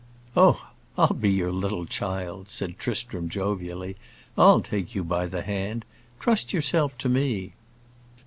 "Oh, I'll be your little child," said Tristram, jovially; "I'll take you by the hand. Trust yourself to me."